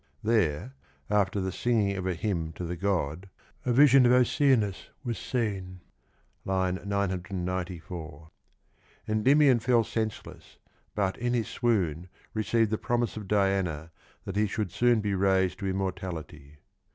There, after the singing of a hymn to the god, a vision of Oceanus was seen (994). Endymion fell senseless, but in his swoon received the 48 promise of Diana that he should soon be raised to immor tality.